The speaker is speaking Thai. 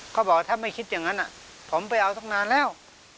เขาบอกถ้าไม่คิดอย่างนั้นผมไปเอาตั้งนานแล้ว